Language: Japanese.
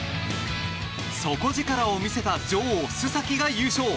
底力を見せた女王・須崎が優勝。